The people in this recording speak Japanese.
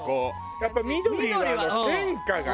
やっぱ緑は変化がね。